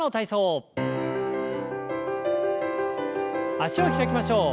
脚を開きましょう。